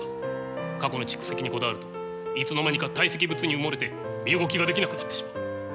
過去の蓄積にこだわるといつの間にか堆積物に埋もれて身動きができなくなってしまう。